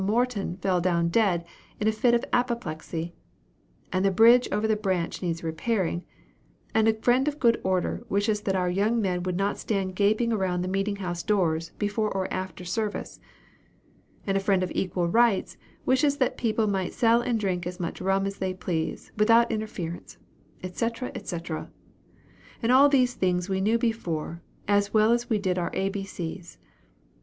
Morton fell down dead, in a fit of apoplexy; and the bridge over the Branch needs repairing; and 'a friend of good order' wishes that our young men would not stand gaping around the meeting house doors, before or after service; and 'a friend of equal rights' wishes that people might sell and drink as much rum as they please, without interference, &c., &c. and all these things we knew before, as well as we did our A B C's.